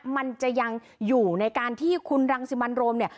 มันจะยังอยู่ในการที่คุณรังสิมันโรมเนี่ย